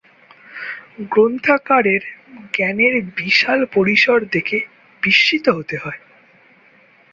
গ্রন্থাকারের জ্ঞানের বিশাল পরিসর দেখে বিস্মিত হতে হয়।